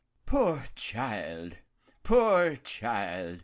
"Poor child! poor child!"